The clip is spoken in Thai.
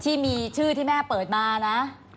ที่มีชื่อที่แม่เปิดมานะ